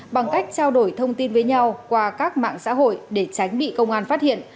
bằng cách trao đổi thông tin với nhau qua các mạng xã hội để tránh bị công an phát hiện